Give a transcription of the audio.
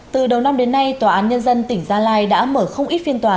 từ đầu năm đến nay tòa án nhân dân tỉnh gia lai đã mở không ít phiên tòa